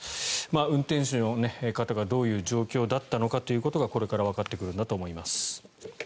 運転手の方がどういう状況だったのかということがこれからわかってくるんだと思います。